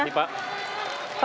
terima kasih pak